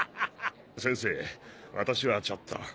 先生私はちょっと。